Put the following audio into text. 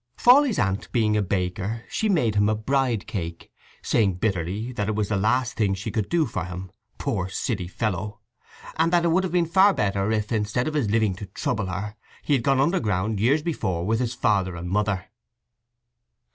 Fawley's aunt being a baker she made him a bride cake, saying bitterly that it was the last thing she could do for him, poor silly fellow; and that it would have been far better if, instead of his living to trouble her, he had gone underground years before with his father and mother.